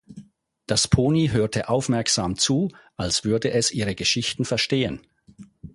Das Pony hörte aufmerksam zu, als würde es ihre Geschichten verstehen.